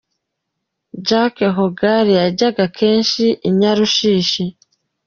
Jacques Hogard yajyaga kenshi i Nyarushishi.